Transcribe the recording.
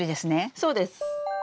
そうです。